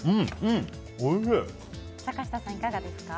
坂下さん、いかがですか？